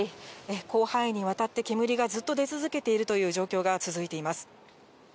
広範囲にわたって煙がずっと出続けているという状況が続いています。